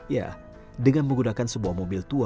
ya dengan menggunakan sebuah mobil tua